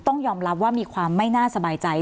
ต้องยอมรับว่ามีความไม่น่าสบายใจ